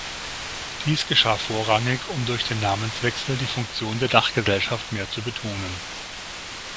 Dies geschah vorrangig, um durch den Namenswechsel die Funktion der Dachgesellschaft mehr zu betonen.